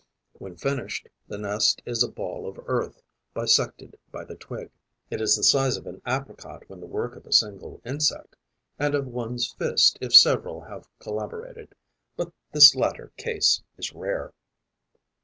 When finished, the nest is a ball of earth, bisected by the twig. It is the size of an apricot when the work of a single insect and of one's fist if several have collaborated; but this latter case is rare.